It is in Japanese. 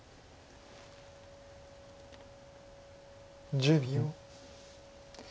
１０秒。